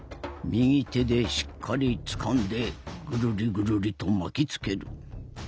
右手でしっかりつかんでぐるりぐるりと巻きつける。